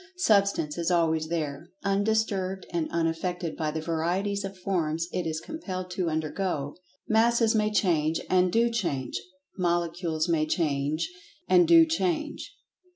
Substance is always there, undisturbed and unaffected by the varieties of forms it is compelled to undergo. Masses may change—and do change. Molecules may change—and do change.